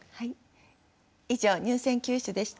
以上入選九首でした。